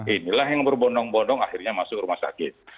inilah yang berbonong bonong akhirnya masuk rumah sakit